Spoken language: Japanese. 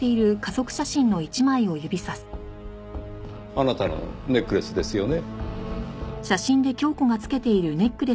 あなたのネックレスですよね？